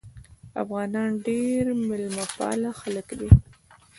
افغانان ډېر میلمه پال خلک دي.